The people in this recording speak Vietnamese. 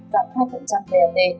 giảm hai vat